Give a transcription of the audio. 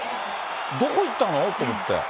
どこいったの？と思って。